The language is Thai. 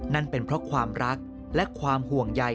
นั่นเป็นเพราะความรักและความห่วงใย